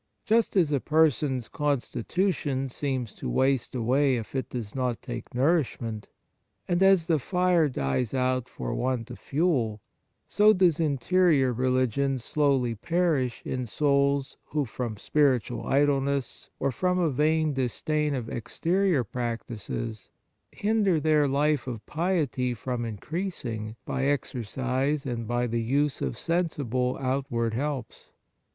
Just as a person s constitution seems to waste away if it does not take nourishment, 29 On the Exercises of Piety and as the fire dies out for want of fuel, so does interior religion slowly perish in souls who, from spiritual idleness or from a vain disdain of exterior practices, hinder their life of piety from increasing by exercise and by the use of sensible outward helps.